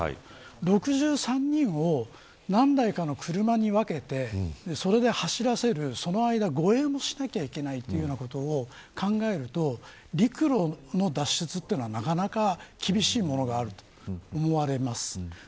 ６３人を、何台かの車に分けて走らせる、その間に護衛をしなければいけないということを考えると陸路の脱出というのは、なかなか厳しいものがあると思われます。